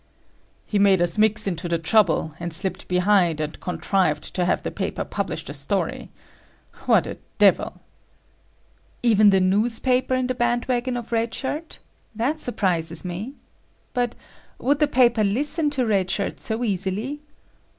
"He made us mix into the trouble, and slipped behind and contrived to have the paper publish the story. What a devil!" "Even the newspaper in the band wagon of Red Shirt? That surprises me. But would the paper listen to Red Shirt so easily?"